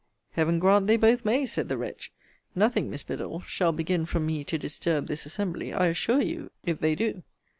Heaven grant they both may! said the wretch. Nothing, Miss Biddulph, shall begin from me to disturb this assembly, I assure you, if they do.